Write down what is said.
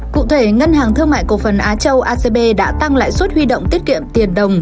cụ thể ngân hàng thương mại cổ phần á châu acb đã tăng lãi suất huy động tiết kiệm tiền đồng